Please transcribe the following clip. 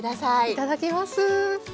いただきます！